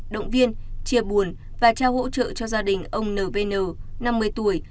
động viên chia buồn và trao hỗ trợ cho gia đình ông n v n năm mươi tuổi